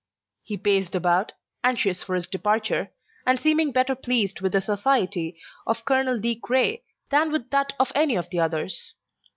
He paced about, anxious for his departure, and seeming better pleased with the society of Colonel De Craye than with that of any of the others.